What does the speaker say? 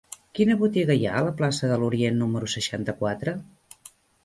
Quina botiga hi ha a la plaça de l'Orient número seixanta-quatre?